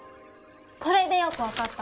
これでよく分かった。